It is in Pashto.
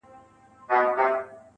د سترگو اوښکي دي خوړلي گراني .